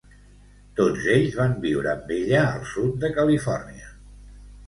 Tots ells van viure amb ella al sud de Califòrnia.